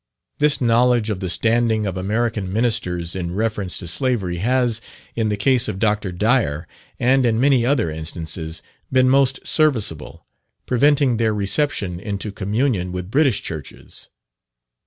This knowledge of the standing of American ministers in reference to slavery has, in the case of Dr. Dyer, and in many other instances, been most serviceable, preventing their reception into communion with British churches.